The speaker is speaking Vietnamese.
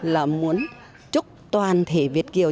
là muốn chúc toàn thể việt kiều